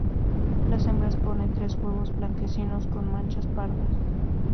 Las hembras ponen tres huevos blanquecinos con manchas pardas.